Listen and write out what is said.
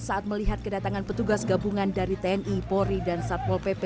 saat melihat kedatangan petugas gabungan dari tni polri dan satpol pp